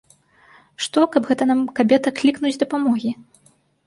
Што, каб гэта нам, кабета, клікнуць дапамогі.